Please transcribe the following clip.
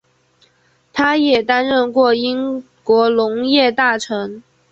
他也担任过英国农业大臣。